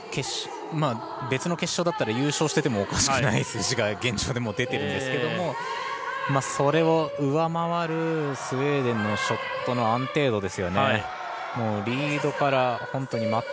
別の決勝だったら優勝しててもおかしくない数字が現状で出ているんですけれどもそれを上回るスウェーデンのショットの安定度ですよね。